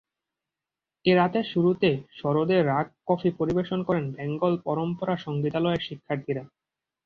এ রাতের শুরুতে সরোদে রাগ কাফি পরিবেশন করেন বেঙ্গল পরম্পরা সংগীতালয়ের শিক্ষার্থীরা।